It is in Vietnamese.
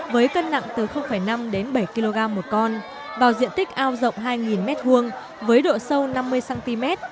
với cân nặng từ năm đến bảy kg một con vào diện tích ao rộng hai m hai với độ sâu năm mươi cm